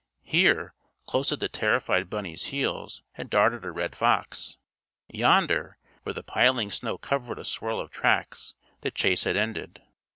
Here, close at the terrified bunny's heels, had darted a red fox. Yonder, where the piling snow covered a swirl of tracks, the chase had ended.